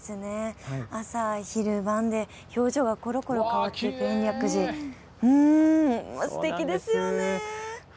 朝昼晩で表情がころころと変わって、延暦寺すてきですよね。